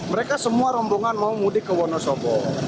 mereka semua rombongan mau mudik ke wonosobo